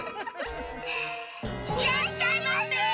いらっしゃいませ！